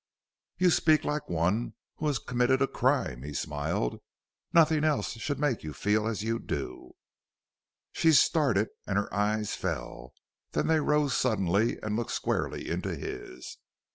"You speak like one who has committed a crime," he smiled; "nothing else should make you feel as you do." She started and her eyes fell. Then they rose suddenly and looked squarely into his.